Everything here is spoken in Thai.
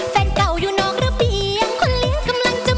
แฟนเก่าอยู่นอกระเบียงคุณลิ้นกำลังจะ